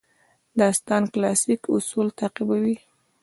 داستان کلاسیک اصول تعقیبوي.